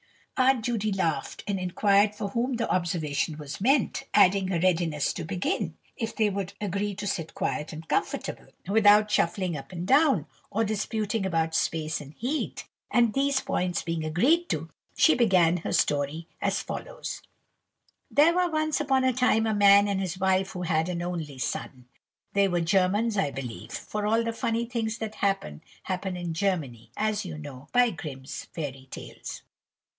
Aunt Judy laughed, and inquired for whom the observation was meant, adding her readiness to begin, if they would agree to sit quiet and comfortable, without shuffling up and down, or disputing about space and heat; and, these points being agreed to, she began her story as follows:— "There were once upon a time a man and his wife who had an only son. They were Germans, I believe, for all the funny things that happen, happen in Germany, as you know by Grimm's fairy tales.